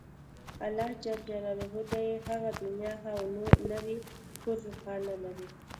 الله ﷻ دې يې هغه دنيا ښه او نوی کور روښانه لري